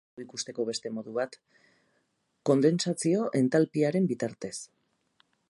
Badago fenomeno hau ikusteko beste modu bat, kondentsazio-entalpiaren bitartez.